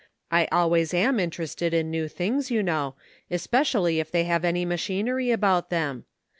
I always am interested in new things, you know, especially if they have any machinery about them.